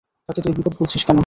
তাকে তুই বিপদ বলছিস কেন?